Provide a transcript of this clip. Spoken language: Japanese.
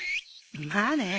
まあね。